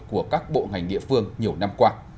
của các bộ ngành địa phương nhiều năm qua